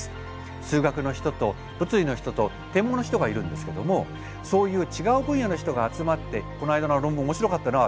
数学の人と物理の人と天文の人がいるんですけどもそういう違う分野の人が集まって「この間の論文面白かったな」。